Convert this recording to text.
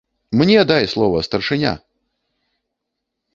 - Мне дай слова, старшыня!